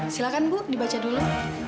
silahkan bu dibaca dulu